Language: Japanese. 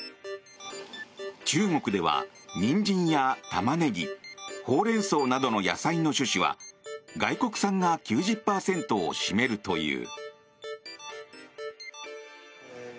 中国ではニンジンやタマネギホウレンソウなどの野菜の種子は外国産が９０％を占めるという。